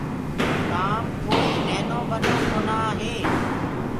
ڪآم ڪوئيٚ نهينو ٻڏو ڪونآ هي